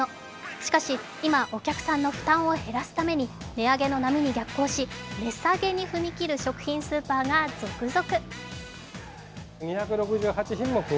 しかし今、お客さんの負担を減らすために値上げの波に逆行し値下げに踏み切る食品スーパーが続々。